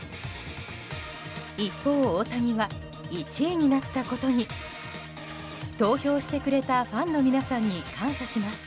一方、大谷は１位になったことに投票してくれたファンの皆さんに感謝します